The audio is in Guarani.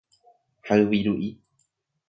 hayviru'i